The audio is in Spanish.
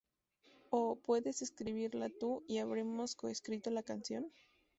O puedes escribirla tú y habremos coescrito la canción".